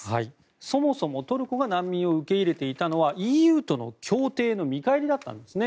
そもそもトルコが難民を受け入れていたのはＥＵとの協定の見返りだったんですね。